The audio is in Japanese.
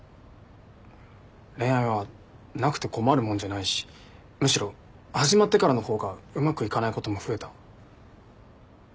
恋愛はなくて困るもんじゃないしむしろ始まってからの方がうまくいかないことも増えた。